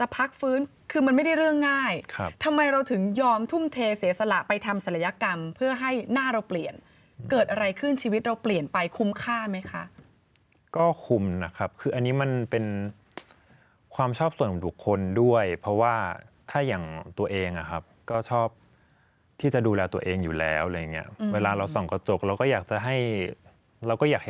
พักฟื้นคือมันไม่ได้เรื่องง่ายทำไมเราถึงยอมทุ่มเทเสียสละไปทำศัลยกรรมเพื่อให้หน้าเราเปลี่ยนเกิดอะไรขึ้นชีวิตเราเปลี่ยนไปคุ้มค่าไหมคะก็คุ้มนะครับคืออันนี้มันเป็นความชอบส่วนบุคคลด้วยเพราะว่าถ้าอย่างตัวเองอ่ะครับก็ชอบที่จะดูแลตัวเองอยู่แล้วอะไรอย่างเงี้ยเวลาเราส่องกระจกเราก็อยากจะให้เราก็อยากให้